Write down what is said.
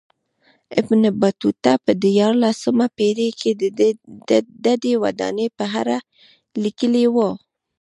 ابن بطوطه په دیارلسمه پېړۍ کې ددې ودانۍ په اړه لیکلي و.